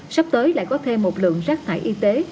sắp tới lại có thêm một lượng rác thải y tế